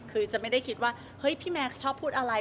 คือจะไม่ได้คิดว่าเฮ้ยพี่แม็กซชอบพูดอะไร